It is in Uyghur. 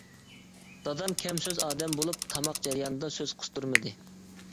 دادام كەم سۆز ئادەم بولۇپ تاماق جەريانىدا سۆز قىستۇرمىدى.